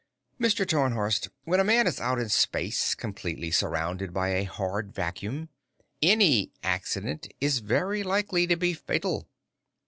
"Mr. Tarnhorst, when a man is out in space, completely surrounded by a hard vacuum, any accident is very likely to be fatal.